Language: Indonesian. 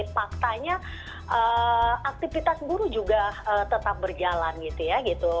faktanya aktivitas buruh juga tetap berjalan gitu ya gitu